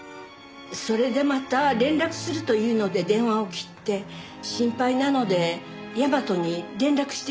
それでまた連絡すると言うので電話を切って心配なので大和に連絡してみたんですが。